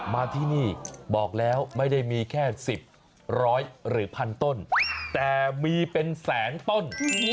มาที่นี่บอกแล้วไม่ได้มีแค่๑๐ร้อยหรือพันต้นแต่มีเป็นแสนต้น